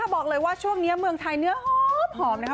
บอกเลยว่าช่วงนี้เมืองไทยเนื้อหอมนะคะ